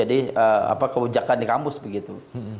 jadi apa kewujakan di kampus begitu